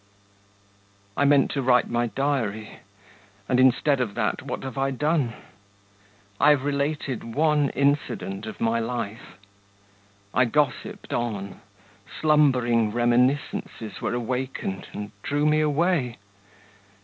I meant to write my diary, and, instead of that, what have I done? I have related one incident of my life. I gossiped on, slumbering reminiscences were awakened and drew me away.